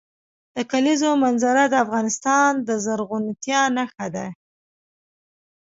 د کلیزو منظره د افغانستان د زرغونتیا نښه ده.